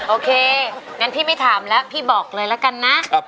โอเคงั้นพี่ไม่ถามแล้วพี่บอกเลยละกันนะ